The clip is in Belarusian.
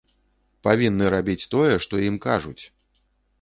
Павінны рабіць тое, што ім кажуць!